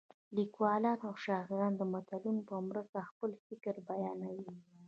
لیکوالان او شاعران د متلونو په مرسته خپل فکر بیانوي